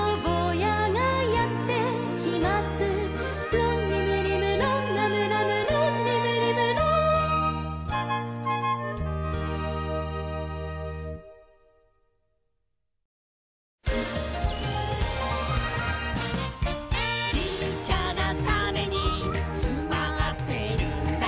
「ロンリムリムロンラムラムロンリムリムロン」「ちっちゃなタネにつまってるんだ」